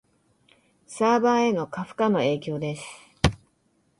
サーバへの過負荷の影響です